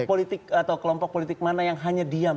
politik atau kelompok politik mana yang hanya diam